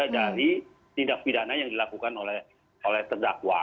dari tindak pidana yang dilakukan oleh terdakwa